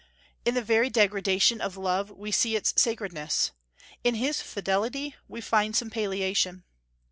In the very degradation of love we see its sacredness. In his fidelity we find some palliation.